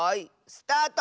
スタート！